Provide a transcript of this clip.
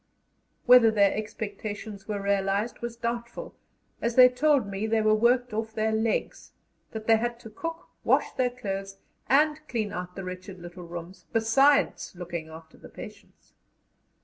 Whether their expectations were realized was doubtful, as they told me they were worked off their legs; that they had to cook, wash their clothes, and clean out the wretched little rooms, besides looking after the patients.